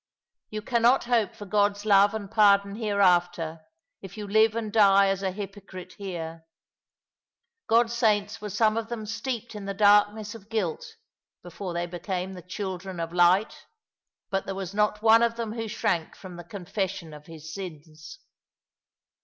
You cannot hope for God's love and pardon hereafter, if you live and die as a hypocrite here. God's saints were some of them steeped in the darkness of guilt before they became the children of light — but there was not one of them who shrank from the confession of his Bins."